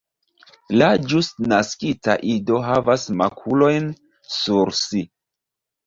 La ĵus naskita ido havas makulojn sur si.